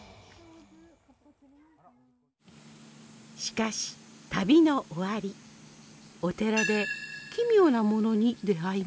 しかし旅の終わりお寺で奇妙なものに出会いました。